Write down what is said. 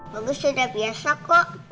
bagus sudah biasa kok